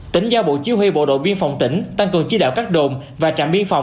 tỉnh giao bộ chiêu huy bộ đội biên phòng tỉnh tăng cường chi đạo các đồn và trạm biên phòng